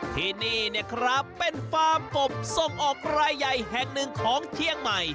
ที่นี่เนี่ยครับเป็นฟาร์มกบส่งออกรายใหญ่แห่งหนึ่งของเชียงใหม่